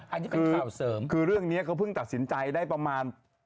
อันนี้เป็นข่าวเสริมคือเรื่องนี้เขาเพิ่งตัดสินใจได้ประมาณ